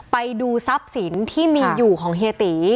ไปดูทรัพย์สินที่มีอยู่ของเฮียตี